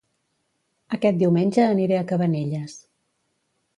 Aquest diumenge aniré a Cabanelles